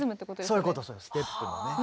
そういうことステップのね。